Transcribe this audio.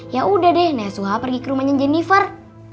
yaudah deh nasuha pergi ke rumahnya jennifer